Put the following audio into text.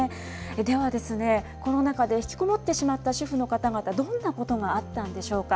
ではですね、コロナ禍で引きこもってしまった主婦の方々、どんなことがあったんでしょうか。